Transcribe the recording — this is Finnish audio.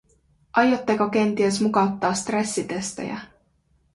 Aiotteko kenties mukauttaa stressitestejä?